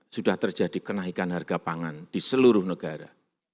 sudah terjadi kenaikan harga pangan di seluruh negara